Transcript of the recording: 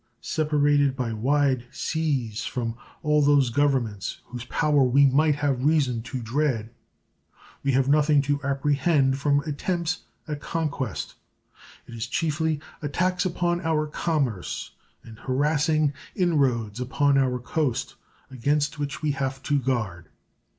Separated by wide seas from all those Governments whose power we might have reason to dread, we have nothing to apprehend from attempts at conquest. It is chiefly attacks upon our commerce and harrassing in roads upon our coast against which we have to guard.